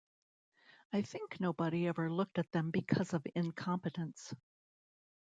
I think nobody ever looked at them because of incompetence.